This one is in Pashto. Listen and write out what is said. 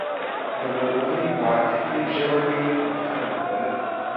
د مورولۍ په عاطفي ژبه به يې پوښتنه کوله.